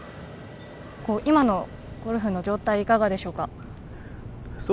◆今のゴルフの状態は、いかがでしょうか。